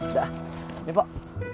udah ini pak